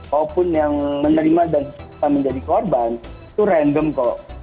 maupun yang menerima dan menjadi korban itu random kok